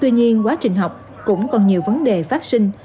tuy nhiên quá trình học cũng còn nhiều vấn đề phát sinh